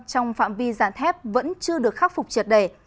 trong phạm vi giản thép vẫn chưa được khắc phục triệt đề